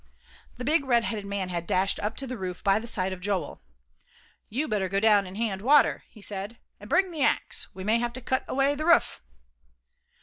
The big red headed man had dashed up to the roof by the side of Joel. "You better go down and hand water," he said, "an' bring the axe, we may have to cut away th' ruf."